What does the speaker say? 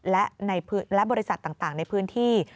และบริษัทต่างในพื้นที่